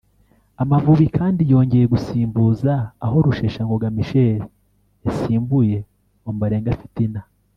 Amavubi kandi yongeye gusimbuza aho Rusheshangoga Michel yasimbuye Ombolenga Fitina